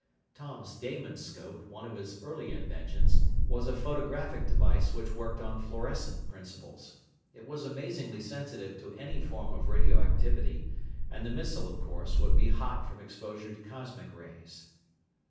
Tom's Damonscope, one of his early inventions, was a photographic device which worked on fluorescent principles. It was amazingly sensitive to any form of radioactivity and the missile, of course, would be "hot" from exposure to cosmic rays.